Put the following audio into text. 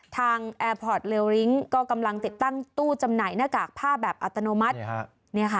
แอร์พอร์ตเลิ้งก็กำลังติดตั้งตู้จำหน่ายหน้ากากผ้าแบบอัตโนมัติ